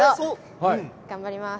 頑張ります。